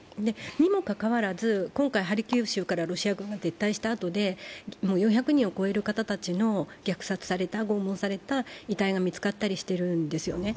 にもかかわらず、今回、ハルキウ州からロシア軍が撤退した中で４００人を超える方たちの虐殺された拷問された方たちの遺体が見つかっているわけですね。